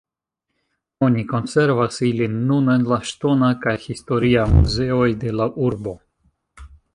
Oni konservas ilin nun en la ŝtona kaj historia muzeoj de la urbo.